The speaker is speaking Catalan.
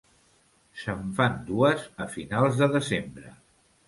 Se'n fan dues a finals de desembre.